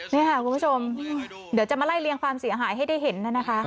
นี่ค่ะคุณผู้ชมเดี๋ยวจะมาไล่เรียงความเสียหายให้ได้เห็นนะคะ